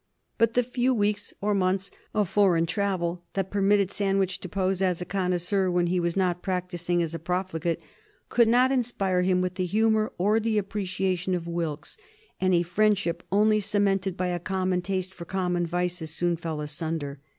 But the few weeks or months of foreign travel that permitted Sandwich to pose as a connoisseur when he was not practising as a profligate could not inspire him with the humor or the appreciation of Wilkes, and a friendship only cemented by a common taste for common vices soon fell asunder.